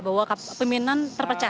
bahwa pimpinan terpecah